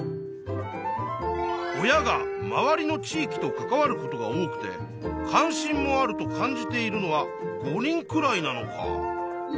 親が周りの地いきと関わることが多くて関心もあると感じているのは５人くらいなのか。